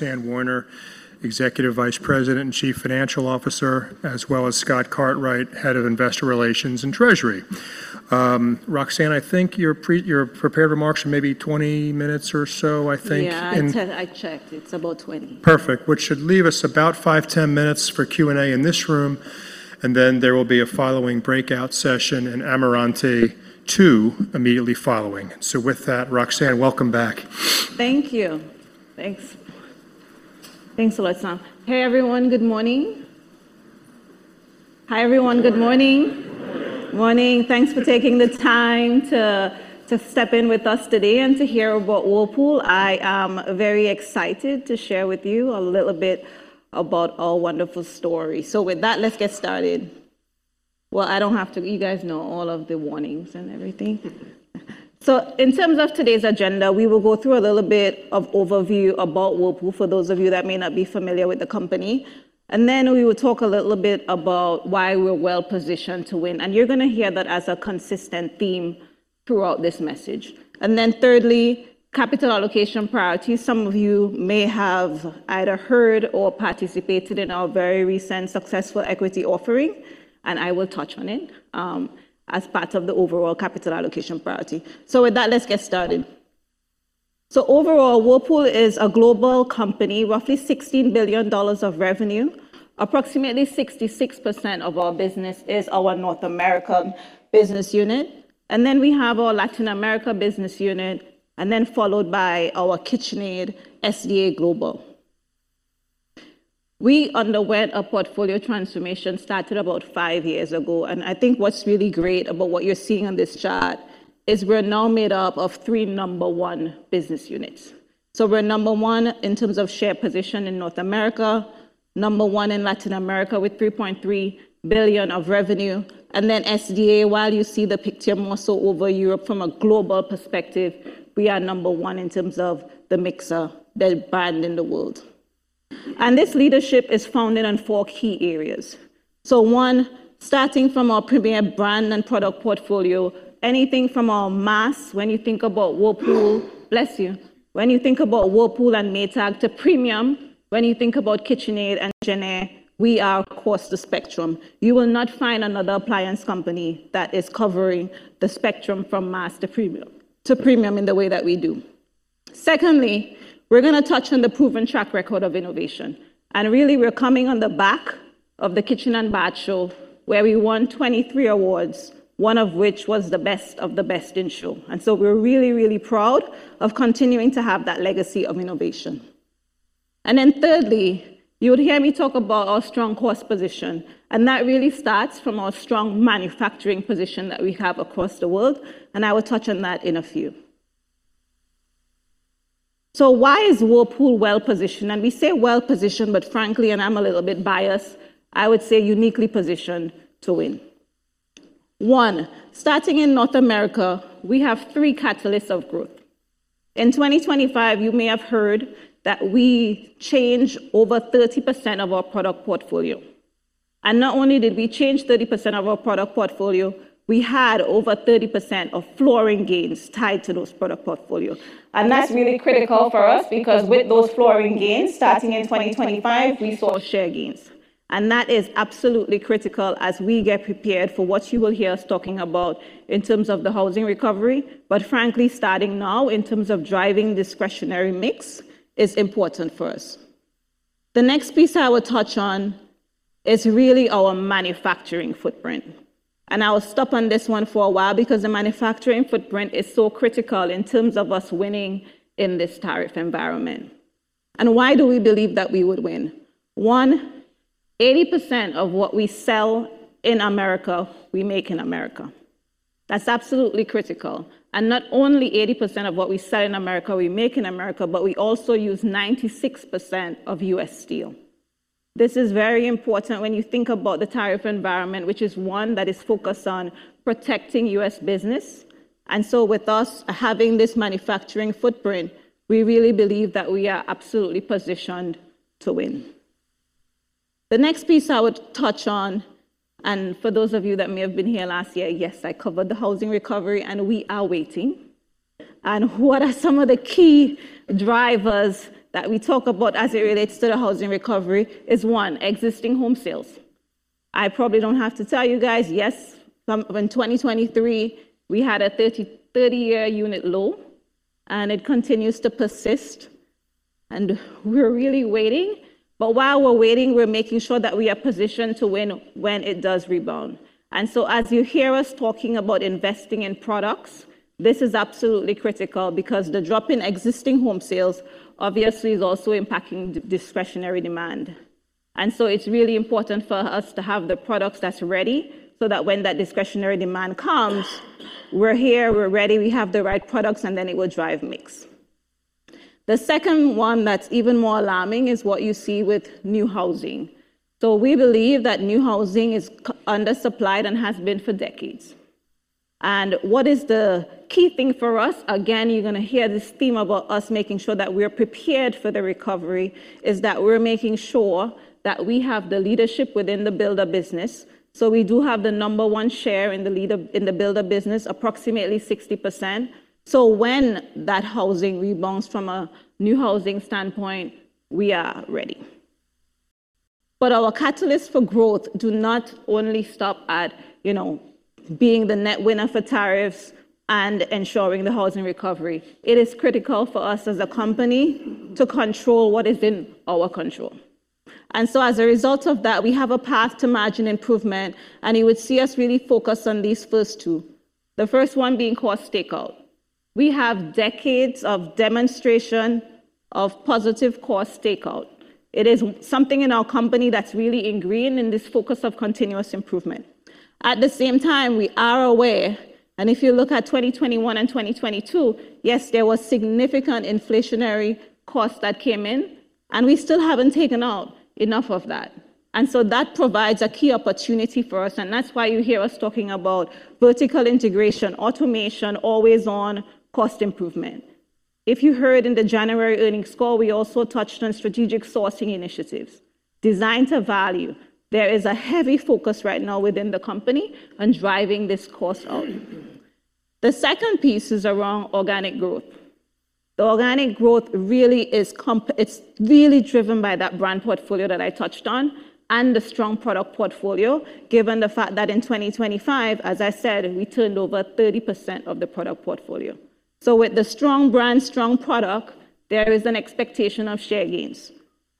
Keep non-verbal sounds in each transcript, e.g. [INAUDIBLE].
Roxanne Warner, Executive Vice President and Chief Financial Officer, as well as Scott Cartwright, Head of Investor Relations and Treasury. Roxanne, I think your prepared remarks are maybe 20 minutes or so, I think. Yeah. In- I checked, I checked. It's about 20. Perfect. Which should leave us about five, 10 minutes for Q&A in this room, and then there will be a following breakout session in Amarante 2 immediately following. With that, Roxanne, welcome back. Thank you. Thanks. Thanks a lot, Sam. Hey, everyone. Good morning. Hi, everyone. Good morning. Good morning. Morning. Thanks for taking the time to step in with us today and to hear about Whirlpool. I am very excited to share with you a little bit about our wonderful story. With that, let's get started. Well, I don't have to. You guys know all of the warnings and everything. In terms of today's agenda, we will go through a little bit of overview about Whirlpool, for those of you that may not be familiar with the company. Then we will talk a little bit about why we're well-positioned to win. You're gonna hear that as a consistent theme throughout this message. Thirdly, capital allocation priorities. Some of you may have either heard or participated in our very recent successful equity offering. I will touch on it as part of the overall capital allocation priority. With that, let's get started. Overall, Whirlpool is a global company, roughly $16 billion of revenue. Approximately 66% of our business is our North American business unit, we have our Latin America business unit, followed by our KitchenAid SDA Global. We underwent a portfolio transformation, started about five years ago, I think what's really great about what you're seeing on this chart is we're now made up of three number one business units. We're number one in terms of share position in North America, number one in Latin America with $3.3 billion of revenue, SDA, while you see the picture more so over Europe from a global perspective, we are number one in terms of the mixer, the brand in the world. This leadership is founded on four key areas. One, starting from our premier brand and product portfolio, anything from our mass, when you think about Whirlpool. Bless you. When you think about Whirlpool and Maytag to premium, when you think about KitchenAid and JennAir, we are across the spectrum. You will not find another appliance company that is covering the spectrum from mass-to-premium, to premium in the way that we do. Secondly, we're gonna touch on the proven track record of innovation, and really we're coming on the back of the Kitchen and Bath Show, where we won 23 awards, one of which was the Best of the Best in Show. We're really, really proud of continuing to have that legacy of innovation. Then thirdly, you would hear me talk about our strong cost position, that really starts from our strong manufacturing position that we have across the world, I will touch on that in a few. Why is Whirlpool well-positioned? We say well-positioned, but frankly, I'm a little bit biased, I would say uniquely positioned to win. One, starting in North America, we have three catalysts of growth. In 2025, you may have heard that we changed over 30% of our product portfolio, not only did we change 30% of our product portfolio, we had over 30% of flooring gains tied to those product portfolio. That's really critical for us because with those flooring gains, starting in 2025, we saw share gains. That is absolutely critical as we get prepared for what you will hear us talking about in terms of the housing recovery, but frankly, starting now in terms of driving discretionary mix is important for us. The next piece I will touch on is really our manufacturing footprint, I will stop on this one for a while because the manufacturing footprint is so critical in terms of us winning in this tariff environment. Why do we believe that we would win? One, 80% of what we sell in America, we make in America. That's absolutely critical. Not only 80% of what we sell in America, we make in America, but we also use 96% of U.S. steel. This is very important when you think about the tariff environment, which is one that is focused on protecting U.S. business. With us having this manufacturing footprint, we really believe that we are absolutely positioned to win. The next piece I would touch on, and for those of you that may have been here last year, yes, I covered the housing recovery, and we are waiting. What are some of the key drivers that we talk about as it relates to the housing recovery is, one, existing home sales. I probably don't have to tell you guys, yes, in 2023, we had a 30-year unit low, and it continues to persist, and we're really waiting, but while we're waiting, we're making sure that we are positioned to win when it does rebound. As you hear us talking about investing in products, this is absolutely critical because the drop in existing home sales obviously is also impacting discretionary demand. It's really important for us to have the products that's ready so that when that discretionary demand comes, we're here, we're ready, we have the right products, and then it will drive mix. The second one that's even more alarming is what you see with new housing. We believe that new housing is undersupplied and has been for decades. What is the key thing for us? Again, you're gonna hear this theme about us making sure that we're prepared for the recovery, is that we're making sure that we have the leadership within the builder business. We do have the number one share in the builder business, approximately 60%. When that housing rebounds from a new housing standpoint, we are ready. Our catalysts for growth do not only stop at you know being the net winner for tariffs and ensuring the housing recovery. It is critical for us as a company to control what is in our control. So as a result of that, we have a path to margin improvement, and you would see us really focus on these first two. The first one being cost takeout. We have decades of demonstration of positive cost takeout. It is something in our company that's really ingrained in this focus of continuous improvement. At the same time, we are aware, and if you look at 2021 and 2022, yes, there was significant inflationary costs that came in, and we still haven't taken out enough of that. So that provides a key opportunity for us, and that's why you hear us talking about vertical integration, automation, always on cost improvement. If you heard in the January earnings call, we also touched on strategic sourcing initiatives, design to value. There is a heavy focus right now within the company on driving this cost out. The second piece is around organic growth. The organic growth really is it's really driven by that brand portfolio that I touched on and the strong product portfolio, given the fact that in 2025, as I said, we turned over 30% of the product portfolio. So with the strong brand, strong product, there is an expectation of share gains,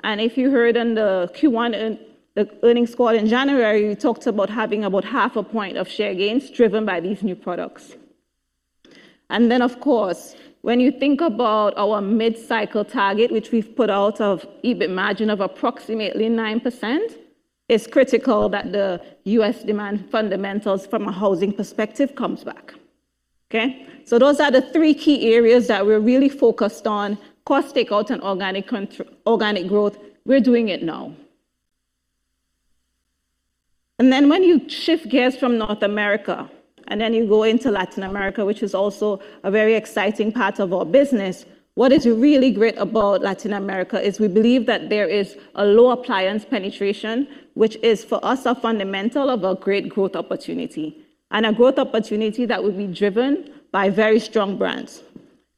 and if you heard in the Q1 and the earnings call in January, we talked about having about half a point of share gains driven by these new products. Then of course, when you think about our mid-cycle target, which we've put out of EBIT margin of approximately 9%, it's critical that the U.S. demand fundamentals from a housing perspective comes back. Okay, so those are the three key areas that we're really focused on: cost takeout and organic growth. We're doing it now. Then when you shift gears from North America, then you go into Latin America, which is also a very exciting part of our business. What is really great about Latin America is we believe that there is a low appliance penetration, which is for us a fundamental of a great growth opportunity, and a growth opportunity that would be driven by very strong brands.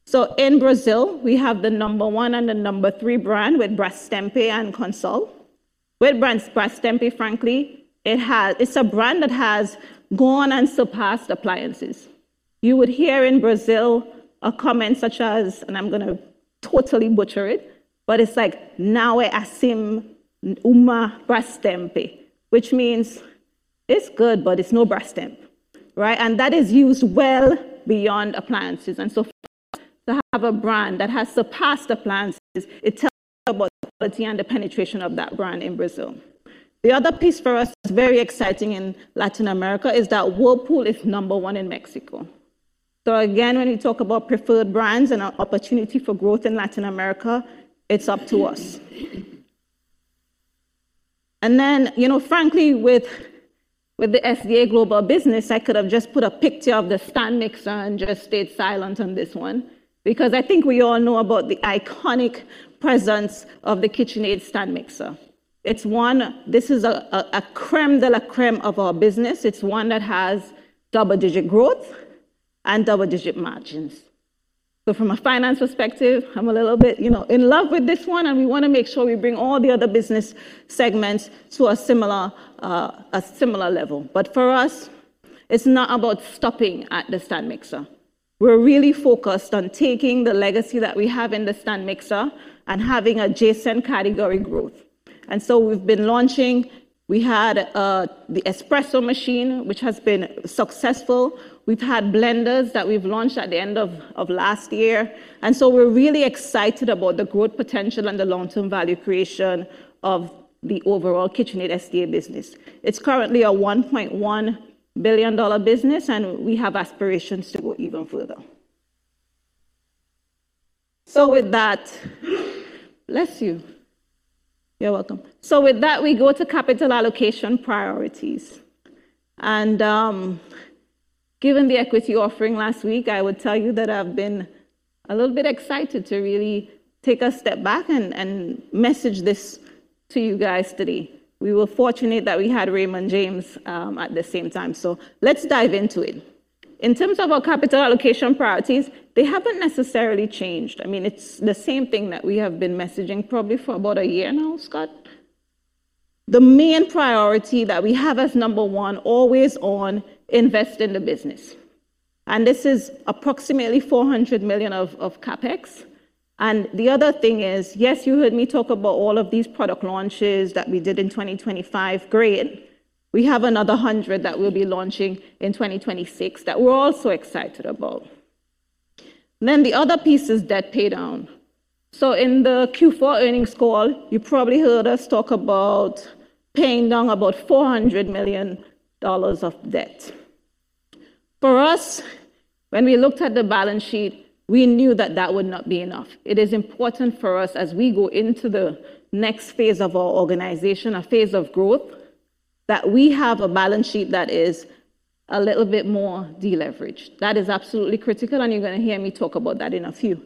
So in Brazil, we have the number one and the number three brand with Brastemp and Consul. With brands Brastemp, frankly, it has it's a brand that has gone and surpassed appliances. You would hear in Brazil a comment such as, and I'm going to totally butcher it, but it's like Não é, assim, uma Brastemp, which means it's good, but it's no Brastemp, right? And that is used well beyond appliances. So to have a brand that has surpassed appliances, it tells you about the quality and the penetration of that brand in Brazil. The other piece for us very exciting in Latin America is that Whirlpool is number one in Mexico. So again, when you talk about preferred brands and our opportunity for growth in Latin America, it's up to us. Then you know, frankly, with the SDA global business, I could have just put a picture of the stand mixer and just stayed silent on this one because I think we all know about the iconic presence of the KitchenAid stand mixer. It's one this is a crème de la crème of our business. It's one that has double-digit growth and double-digit margins. So from a finance perspective, I'm a little bit, you know, in love with this one, and we want to make sure we bring all the other business segments to a similar level. But for us, it's not about stopping at the stand mixer. We're really focused on taking the legacy that we have in the stand mixer and having adjacent category growth. So we've been launching, we had the espresso machine, which has been successful. We've had blenders that we've launched at the end of last year. So we're really excited about the growth potential and the long-term value creation of the overall KitchenAid SDA business. It's currently a $1.1 billion business, and we have aspirations to go even further. So with that, bless you. You're welcome. So with that, we go to capital allocation priorities, and given the equity offering last week, I would tell you that I've been a little bit excited to really take a step back and message this to you guys today. We were fortunate that we had Raymond James at the same time. So let's dive into it. In terms of our capital allocation priorities, they haven't necessarily changed. I mean, it's the same thing that we have been messaging probably for about a year now, Scott. The main priority that we have as number one, always on, invest in the business, and this is approximately $400 million of CapEx. The other thing is, yes, you heard me talk about all of these product launches that we did in 2025. Great, we have another 100 that we'll be launching in 2026 that we're also excited about. Then the other piece is debt pay down. So in the Q4 earnings call, you probably heard us talk about paying down about $400 million of debt. For us, when we looked at the balance sheet, we knew that that would not be enough. It is important for us as we go into the next phase of our organization, a phase of growth, that we have a balance sheet that is a little bit more deleveraged. That is absolutely critical, and you're going to hear me talk about that in a few.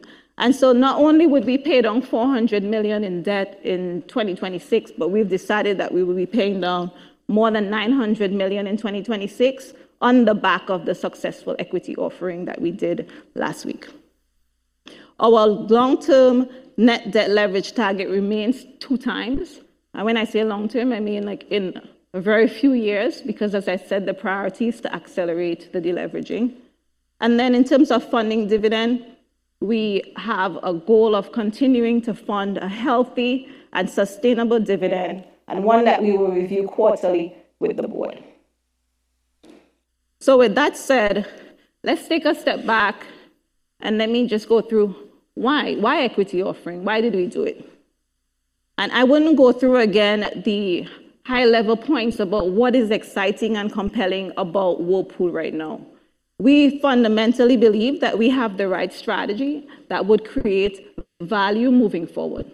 So not only would we pay down $400 million in debt in 2026, but we've decided that we will be paying down more than $900 million in 2026 on the back of the successful equity offering that we did last week. Our long-term net debt leverage target remains 2x, and when I say long-term, I mean like in a very few years, because as I said, the priority is to accelerate the deleveraging. Then in terms of funding dividend, we have a goal of continuing to fund a healthy and sustainable dividend, and one that we will review quarterly with the board. With that said, let's take a step back and let me just go through why. Why equity offering? Why did we do it? I wouldn't go through again the high level points about what is exciting and compelling about Whirlpool right now. We fundamentally believe that we have the right strategy that would create value moving forward.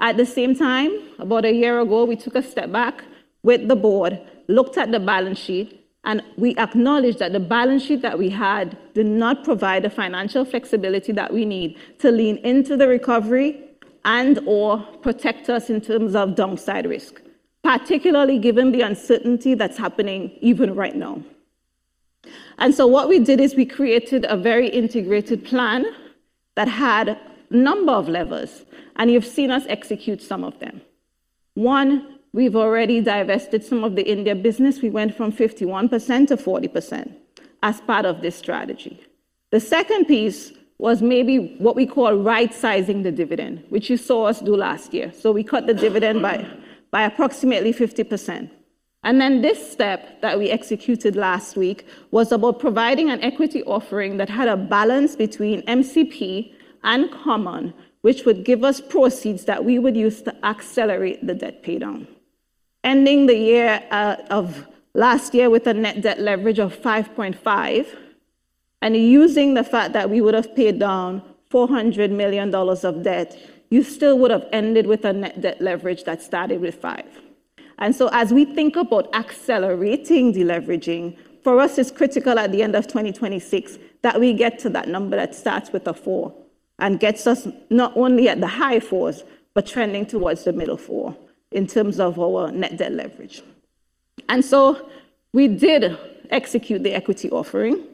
At the same time, about a year ago, we took a step back with the board, looked at the balance sheet, and we acknowledged that the balance sheet that we had did not provide the financial flexibility that we need to lean into the recovery and or protect us in terms of downside risk, particularly given the uncertainty that's happening even right now. What we did is we created a very integrated plan that had a number of levers, and you've seen us execute some of them. One, we've already divested some of the India business. We went from 51% to 40% as part of this strategy. The second piece was maybe what we call right sizing the dividend, which you saw us do last year. We cut the dividend by approximately 50%, and then this step that we executed last week was about providing an equity offering that had a balance between MCP and common, which would give us proceeds that we would use to accelerate the debt pay down. Ending the year of last year with a net debt leverage of 5.5 and using the fact that we would have paid down $400 million of debt, you still would have ended with a net debt leverage that started with 5. As we think about accelerating deleveraging, for us, it's critical at the end of 2026 that we get to that number that starts with a 4 and gets us not only at the high 4s, but trending towards the middle 4 in terms of our net debt leverage. We did execute the equity offering.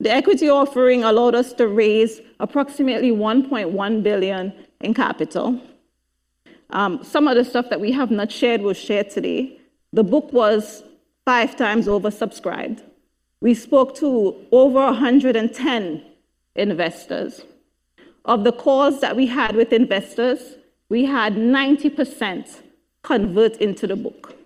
The equity offering allowed us to raise approximately $1.1 billion in capital. Some of the stuff that we have not shared, we'll share today. The book was 5x oversubscribed. We spoke to over 110 investors. Of the calls that we had with investors, we had 90% convert into the book.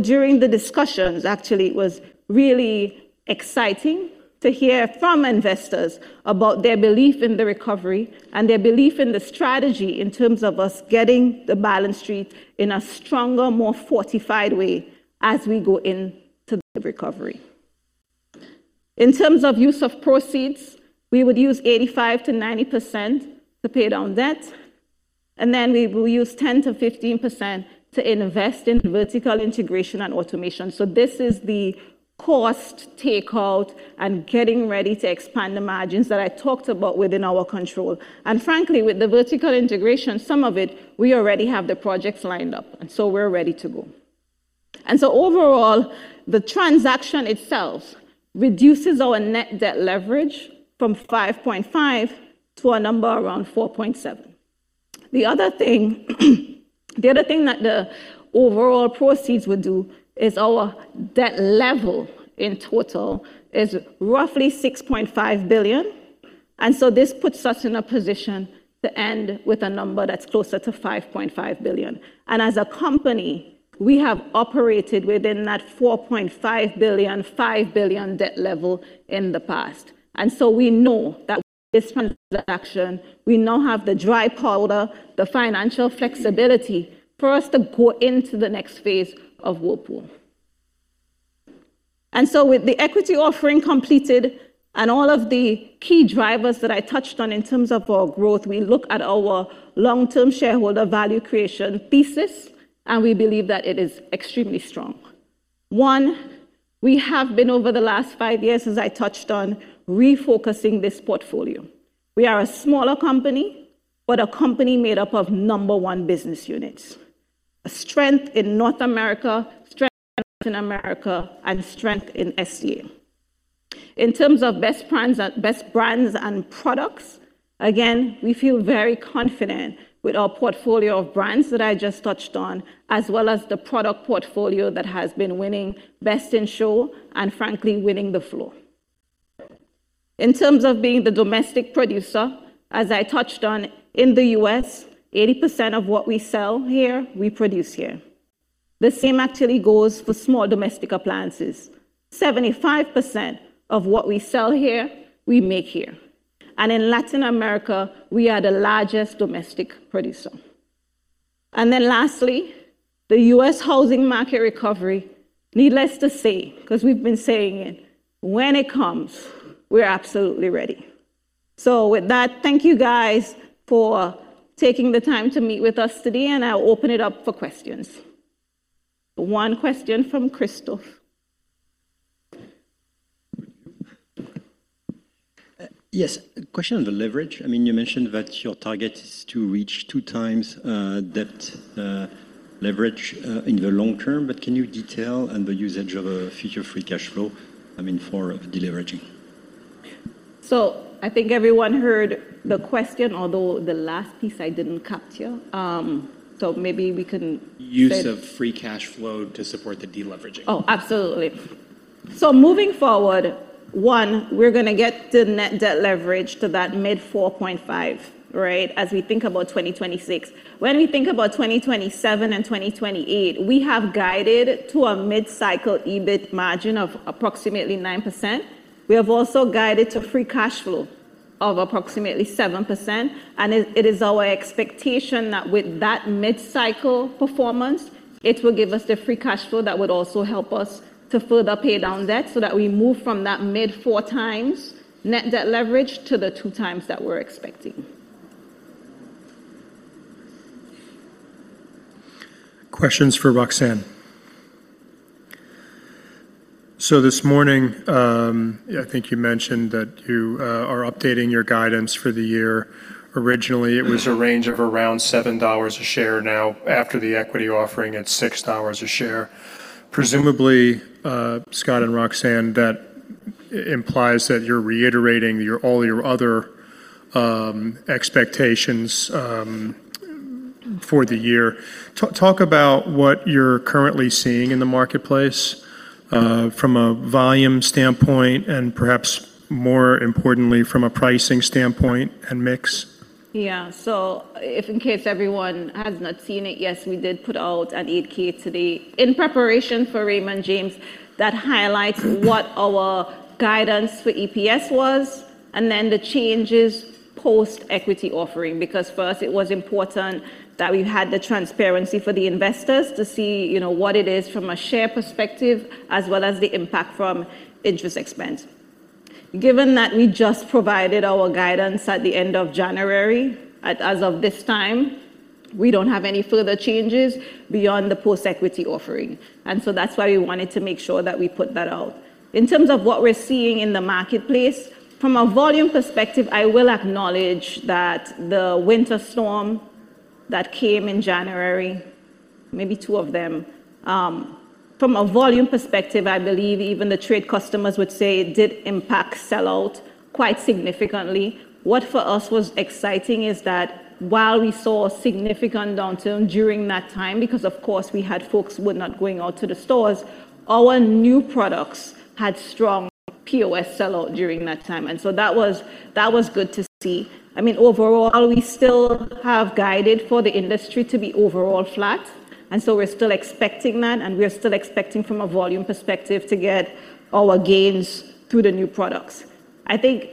During the discussions, actually it was really exciting to hear from investors about their belief in the recovery and their belief in the strategy in terms of us getting the balance sheet in a stronger, more fortified way as we go into the recovery. In terms of use of proceeds, we would use 85%-90% to pay down debt, and then we will use 10%-15% to invest in vertical integration and automation. This is the cost takeout and getting ready to expand the margins that I talked about within our control, and frankly, with the vertical integration, some of it we already have the projects lined up, and so we're ready to go. Overall, the transaction itself reduces our net debt leverage from 5.5 to a number around 4.7. The other thing that the overall proceeds would do is our debt level in total is roughly $6.5 billion. This puts us in a position to end with a number that's closer to $5.5 billion. As a company, we have operated within that $4.5 billion, $5 billion debt level in the past. We know that this transaction, we now have the dry powder, the financial flexibility for us to go into the next phase of Whirlpool. With the equity offering completed and all of the key drivers that I touched on in terms of our growth, we look at our long-term shareholder value creation thesis, and we believe that it is extremely strong. One, we have been over the last five years, as I touched on, refocusing this portfolio. We are a smaller company, but a company made up of number one business units. A strength in North America, strength in Latin America, and strength in SEA. In terms of best brands and products, again, we feel very confident with our portfolio of brands that I just touched on, as well as the product portfolio that has been winning best in show and frankly winning the floor. In terms of being the domestic producer, as I touched on in the U.S., 80% of what we sell here, we produce here. The same actually goes for small domestic appliances. 75% of what we sell here, we make here. In Latin America, we are the largest domestic producer. Lastly, the U.S. housing market recovery, needless to say, 'cause we've been saying it, when it comes, we're absolutely ready. With that, thank you guys for taking the time to meet with us today, and I'll open it up for questions. One question from Christoph. Yes. Question on the leverage. I mean, you mentioned that your target is to reach 2x debt leverage in the long term, but can you detail on the usage of future free cash flow, I mean, for deleveraging? I think everyone heard the question, although the last piece I didn't capture. maybe we can say... Use of free cash flow to support the deleveraging. Absolutely. Moving forward, one, we're gonna get the net debt leverage to that mid-4.5, right, as we think about 2026. We think about 2027 and 2028, we have guided to a mid-cycle EBIT margin of approximately 9%. We have also guided to free cash flow of approximately 7%, it is our expectation that with that mid-cycle performance, it will give us the free cash flow that would also help us to further pay down debt so that we move from that mid-4x net debt leverage to the 2x that we're expecting. Questions for Roxanne? This morning, yeah, I think you mentioned that you are updating your guidance for the year. Mm-hmm It was a range of around $7 a share. Now, after the equity offering, it's $6 a share. Presumably, Scott and Roxanne, that implies that you're reiterating your, all your other, expectations, for the year. Talk about what you're currently seeing in the marketplace, from a volume standpoint and perhaps more importantly from a pricing standpoint and mix. If in case everyone has not seen it, yes, we did put out an Form 8-K today in preparation for Raymond James that highlights what our guidance for EPS was, and then the changes post-equity offering. First, it was important that we had the transparency for the investors to see, you know, what it is from a share perspective as well as the impact from interest expense. Given that we just provided our guidance at the end of January, as of this time, we don't have any further changes beyond the post-equity offering, that's why we wanted to make sure that we put that out. In terms of what we're seeing in the marketplace, from a volume perspective, I will acknowledge that the winter storm that came in January, maybe two of them, from a volume perspective I believe even the trade customers would say it did impact sell-out quite significantly. What for us was exciting is that while we saw a significant downturn during that time, because of course we had folks were not going out to the stores, our new products had strong POS sell-out during that time. That was good to see. I mean, overall, we still have guided for the industry to be overall flat. We're still expecting that. We're still expecting from a volume perspective to get our gains through the new products. I think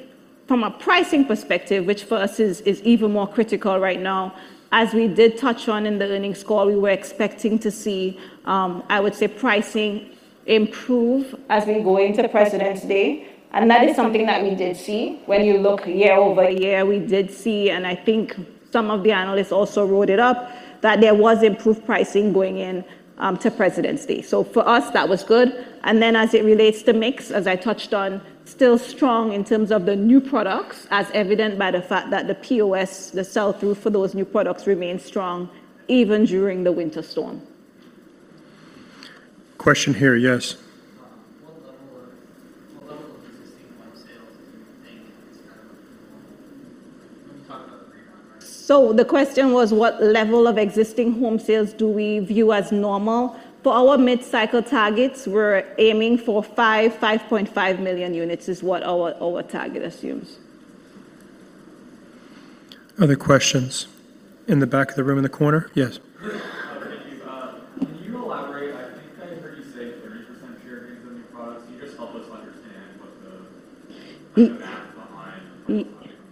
from a pricing perspective, which for us is even more critical right now, as we did touch on in the earnings call, we were expecting to see I would say pricing improve as we go into Presidents' Day. That is something that we did see. When you look year over year, we did see, and I think some of the analysts also wrote it up, that there was improved pricing going in to Presidents' Day. For us, that was good. As it relates to mix, as I touched on, still strong in terms of the new products, as evident by the fact that the POS, the sell-through for those new products remained strong even during the winter storm. Question here, yes. [AUDIO DISTORTION] The question was what level of existing home sales do we view as normal. For our mid-cycle targets, we're aiming for 5 million -5.5 million units is what our target assumes. Other questions? In the back of the room in the corner. Yes. Thank you. Can you elaborate, I think I heard you say 30% share gains on new products? Can you just help us understand what the math behind that number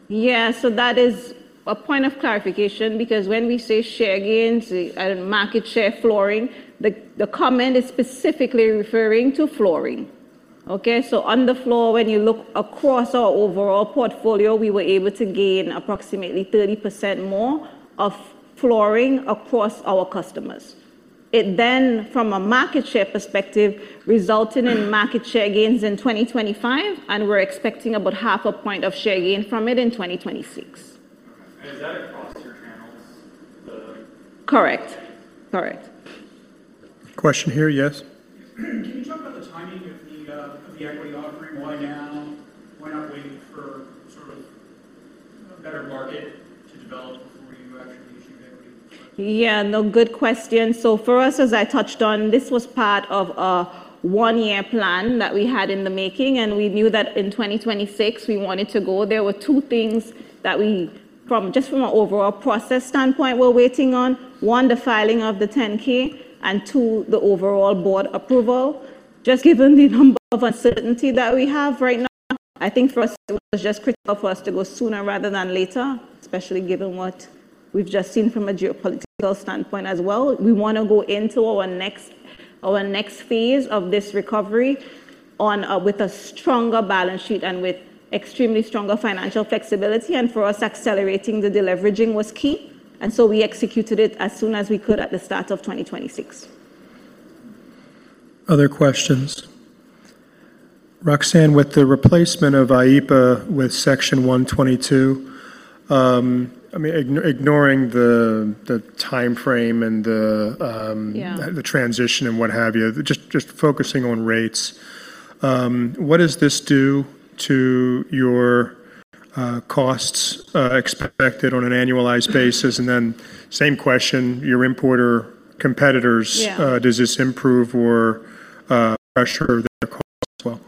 is? Yeah. That is a point of clarification because when we say share gains and market share flooring, the comment is specifically referring to flooring. On the floor, when you look across our overall portfolio, we were able to gain approximately 30% more of flooring across our customers. It from a market share perspective resulted in market share gains in 2025, and we're expecting about half a point of share gain from it in 2026. [AUDIO DISTORTION] Correct. Correct. Question here, yes. Can you talk about the timing of the of the equity offering? Why now? Why not wait for sort of a better market to develop before you actually issue the equity for the first time? Yeah, no. Good question. For us, as I touched on, this was part of a one-year plan that we had in the making, and we knew that in 2026 we wanted to go. There were two things that we, just from an overall process standpoint, were waiting on. One, the filing of the Form 10-K, and two, the overall Board approval. Just given the number of uncertainty that we have right now, I think for us it was just critical for us to go sooner rather than later, especially given what we've just seen from a geopolitical standpoint as well. We wanna go into our next phase of this recovery with a stronger balance sheet and with extremely stronger financial flexibility, for us accelerating the deleveraging was key, we executed it as soon as we could at the start of 2026. Other questions? Roxanne, with the replacement of IEEPA with Section 122, I mean, ignoring the timeframe and the, Yeah the transition and what have you, just focusing on rates, what does this do to your costs expected on an annualized basis? Same question, your importer competitors. Yeah does this improve or pressure their costs as well?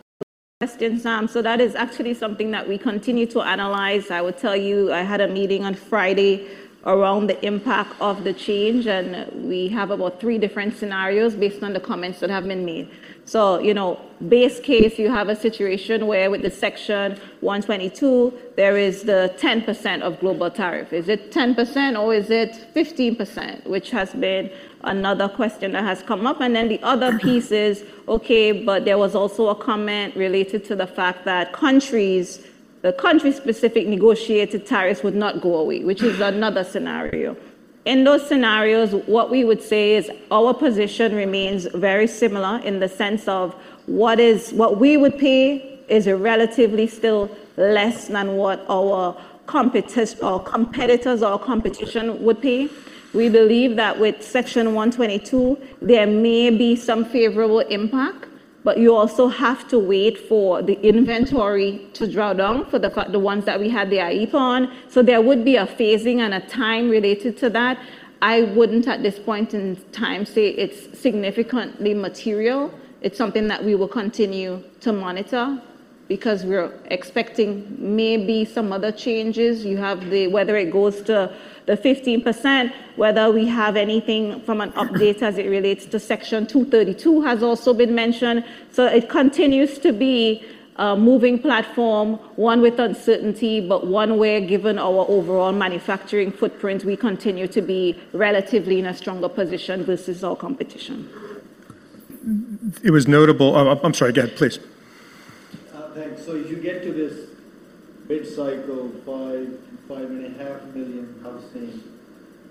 Good question, Sam. That is actually something that we continue to analyze. I would tell you, I had a meeting on Friday around the impact of the change, and we have about three different scenarios based on the comments that have been made. You know, base case, you have a situation where with the Section 122, there is the 10% of global tariff. Is it 10% or is it 15%? Which has been another question that has come up. The other piece is, okay, but there was also a comment related to the fact that countries, the country-specific negotiated tariffs would not go away, which is another scenario. In those scenarios, what we would say is our position remains very similar in the sense of what is... What we would pay is a relatively still less than what our competitors or competition would pay. We believe that with Section 122, there may be some favorable impact. You also have to wait for the inventory to draw down for the ones that we had the IEEPA on. There would be a phasing and a time related to that. I wouldn't, at this point in time, say it's significantly material. It's something that we will continue to monitor because we're expecting maybe some other changes. Whether it goes to the 15%, whether we have anything from an update as it relates to Section 232 has also been mentioned. It continues to be a moving platform, one with uncertainty, but one where, given our overall manufacturing footprint, we continue to be relatively in a stronger position versus our competition. It was notable. I'm sorry. Go ahead, please. Thanks. As you get to this mid-cycle 5.5 million housing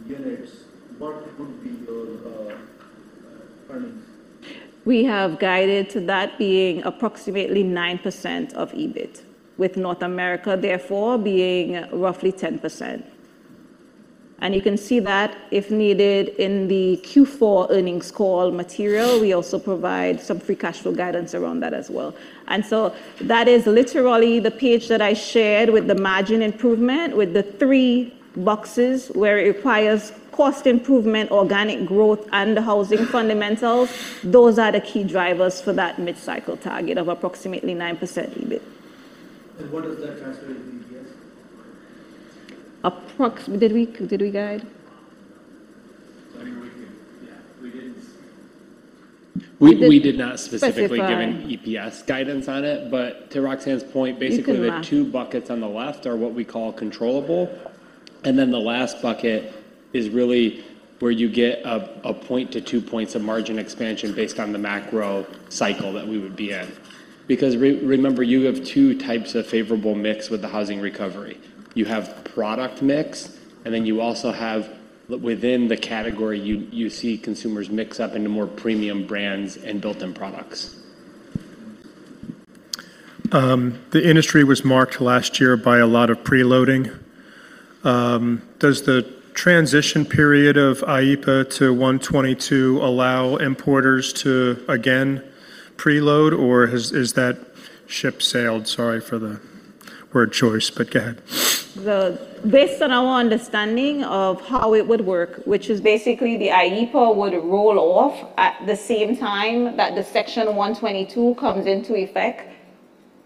units, what would be your earnings? We have guided to that being approximately 9% of EBIT, with North America therefore being roughly 10%. You can see that, if needed, in the Q4 earnings call material. We also provide some free cash flow guidance around that as well. That is literally the page that I shared with the margin improvement, with the three boxes where it requires cost improvement, organic growth, and housing fundamentals. Those are the key drivers for that mid-cycle target of approximately 9% EBIT. What does that translate into EPS? Did we guide? I mean, we can... Yeah, we didn't... We didn't specify. We did not specifically give any EPS guidance on it. To Roxanne's point. You can laugh. the two buckets on the left are what we call controllable, and then the last bucket is really where you get a point to two points of margin expansion based on the macro cycle that we would be in. Remember, you have two types of favorable mix with the housing recovery. You have product mix, and then you also have, within the category, you see consumers mix up into more premium brands and built-in products. The industry was marked last year by a lot of preloading. Does the transition period of IEEPA to 122 allow importers to again preload, or is that ship sailed? Sorry for the word choice, go ahead. Based on our understanding of how it would work, which is basically the IEEPA would roll off at the same time that the Section 122 comes into effect,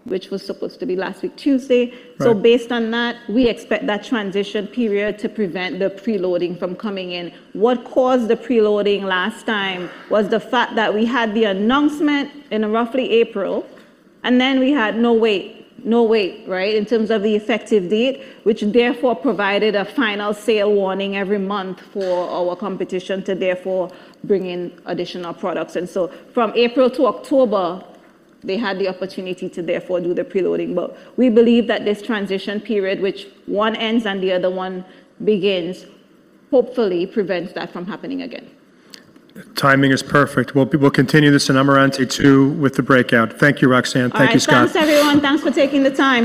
which was supposed to be last week Tuesday. Right. Based on that, we expect that transition period to prevent the preloading from coming in. What caused the preloading last time was the fact that we had the announcement in roughly April, and then we had no wait, right, in terms of the effective date, which therefore provided a final sale warning every month for our competition to therefore bring in additional products. From April to October, they had the opportunity to therefore do the preloading. We believe that this transition period, which one ends and the other one begins, hopefully prevents that from happening again. Timing is perfect. We'll continue this in Amarante 2 with the breakout. Thank you, Roxanne. Thank you, Scott. All right. Thanks, everyone. Thanks for taking the time.